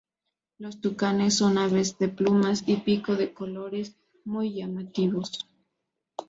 Los tucanes son aves de plumas y pico de colores muy llamativos.